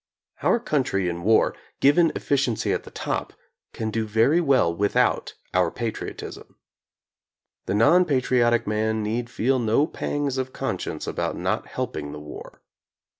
Our country in war, given efficiency at the top, can do very well without our patriotism. The non patriotic man need feel no pangs of conscience about not helping the war.